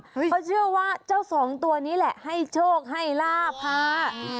เขาเชื่อว่าเจ้าสองตัวนี้แหละให้โชคให้ลาบค่ะ